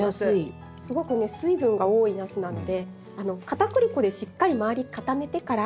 すごくね水分が多いナスなのでかたくり粉でしっかり周り固めてから。